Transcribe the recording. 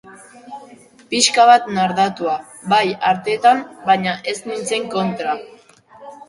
Pixka bat nardatua, bai, artetan, baina ez nintzen kontra.